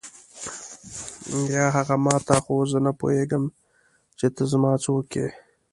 یا هغه ما ته خو زه نه پوهېږم چې ته زما څوک یې.